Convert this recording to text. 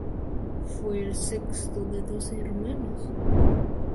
Fue el sexto de doce hermanos.